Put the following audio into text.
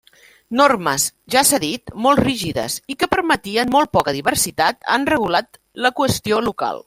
Normes, ja s'ha dit, molt rígides i que permetien molt poca diversitat han regulat la qüestió local.